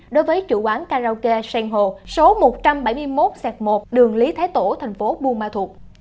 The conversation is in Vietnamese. đối với chủ quán karaoke sengho số một trăm bảy mươi một một đường lý thái tổ tp buôn ma thuột